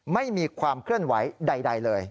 ไม่มีความเคลื่อนไหวใดเลย